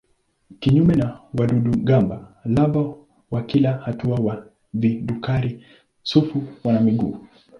Kinyume na wadudu-gamba lava wa kila hatua wa vidukari-sufu wana miguu.